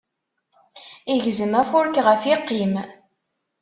Igzem afurk ɣef iqqim.